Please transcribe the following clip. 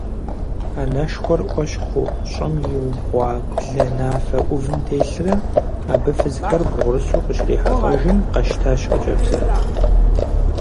Анэшхуэр Ӏуэщхъуу щӀым иубгъуа бланэфэ Ӏувым телърэ, абы фызхэр бгъурысу къыщрихьэлӀэжым, къэщтащ хъыджэбзыр.